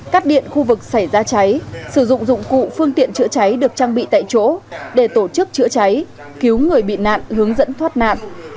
cắt điện khu vực xảy ra cháy sử dụng dụng cụ phương tiện chữa cháy được trang bị tại chỗ để tổ chức chữa cháy cứu người bị nạn hướng dẫn thoát nạn